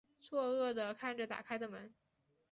错愕的看着打开的门